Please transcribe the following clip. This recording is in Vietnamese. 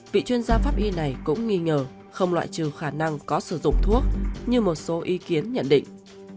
vị chuyên gia pháp y này cũng nghi ngờ không loại trừ khả năng có sử dụng thuốc như một số ý kiến nhận định